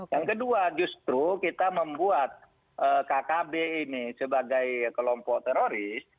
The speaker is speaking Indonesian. yang kedua justru kita membuat kkb ini sebagai kelompok teroris